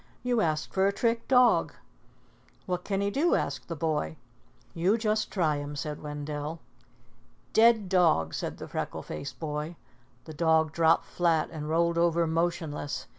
You asked for a trick dog." "What can he do?" asked the boy. "You just try him," said Wendell. "Dead dog!" said the freckle faced boy. The dog dropped flat and rolled over motionless.